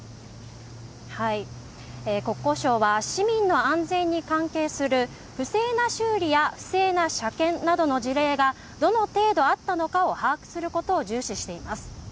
国交省は市民の安全に関係する不正な修理や不正な車検などの事例がどの程度あったのかを把握することを重視しています。